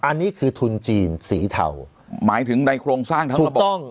อันนี้คือทุนจีนสีเทาหมายถึงในโครงสร้างทั้งสมบัติถูกต้อง